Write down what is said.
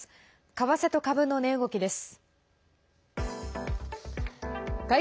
為替と株の値動きです。